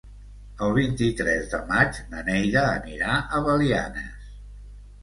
El vint-i-tres de maig na Neida anirà a Belianes.